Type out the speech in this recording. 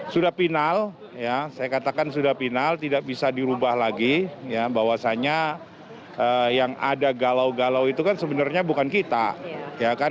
sudah final ya saya katakan sudah final tidak bisa dirubah lagi bahwasannya yang ada galau galau itu kan sebenarnya bukan kita